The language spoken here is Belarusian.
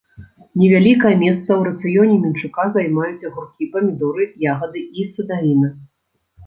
Невялікае месца ў рацыёне мінчука займаюць агуркі, памідоры, ягады і садавіна.